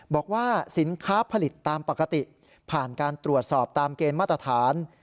บอกว่าสินค้าผลิตตามปกติผ่านการตรวจสอบตามเกณฑ์มาตรฐาน